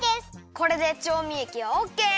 これでちょうみえきはオッケー！